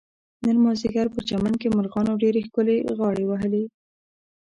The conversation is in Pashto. نن مازدیګر په چمن کې مرغانو ډېر ښکلې غاړې وهلې.